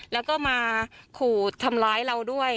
แล้วก็มาขู่ทำร้ายเราด้วย